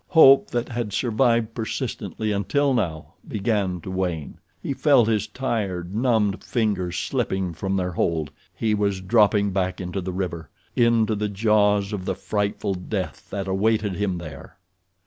Hope that had survived persistently until now began to wane. He felt his tired, numbed fingers slipping from their hold—he was dropping back into the river—into the jaws of the frightful death that awaited him there.